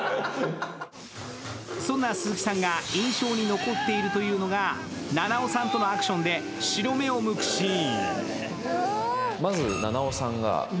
そんな鈴木さんが印象に残っているというのが菜々緒さんとのアクションで白目をむくシーン。